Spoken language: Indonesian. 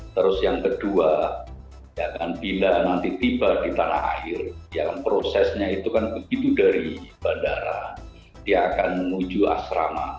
terus yang kedua bila nanti tiba di tanah air yang prosesnya itu kan begitu dari bandara dia akan menuju asrama